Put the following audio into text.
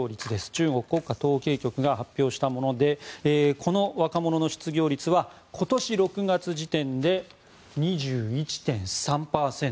中国国家統計局が発表したものでこの若者の失業率は今年６月時点で２１．３％。